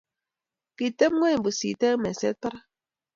kitemweny pusi eng meset barak